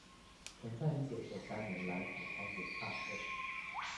曾在一九九三年來台開演唱會